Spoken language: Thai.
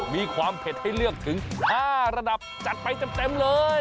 มีความเผ็ดให้เลือกถึง๕ระดับจัดไปเต็มเลย